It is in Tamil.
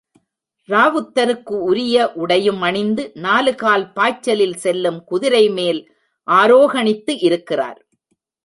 ராவுத்தருக்கு உரிய உடையும் அணிந்து நாலுகால் பாய்ச்சலில் செல்லும் குதிரைமேல் ஆரோகணித்து இருக்கிறார்.